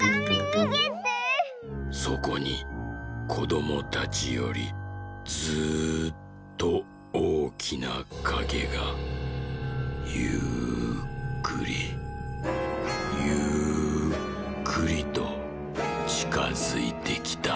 「そこにこどもたちよりずっとおおきなかげがゆっくりゆっくりとちかづいてきた」。